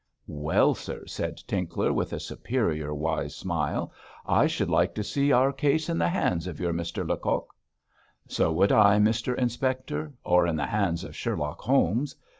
'Well, sir,' said Tinkler, with a superior wise smile, 'I should like to see our case in the hands of your Mr Lecoq.' 'So should I, Mr Inspector, or in the hands of Sherlock Holmes.